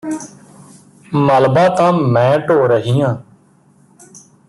ਮਲਬਾ ਤਾਂ ਮੈਂ ਢੋਅ ਰਹੀ ਆਂ